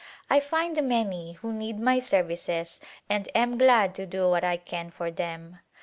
I find many who need my services and am glad to do what I can for them.